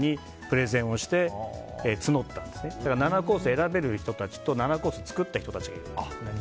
選べる人たちと７コース作った人たちがいる。